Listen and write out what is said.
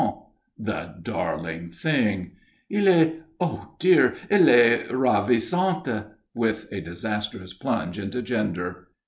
_" "The darling thing!" "Il est oh, dear! il est ravissante!" with a disastrous plunge into gender.